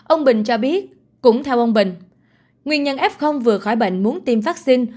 ông bình cho biết cũng theo ông bình nguyên nhân f vừa khỏi bệnh muốn tiêm vaccine